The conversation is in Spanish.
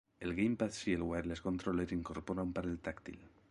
El GamePad Shield Wireless Controller incorpora un panel táctil.